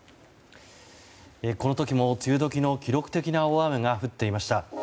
この時も梅雨時の記録的な大雨が降っていました。